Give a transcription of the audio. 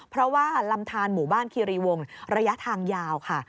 เพราะว่าลำทานหมู่บ้านคีรีวงระยะทางยาวค่ะ